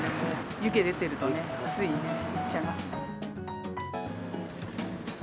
湯気出てるとね、ついね、行っちゃいますね。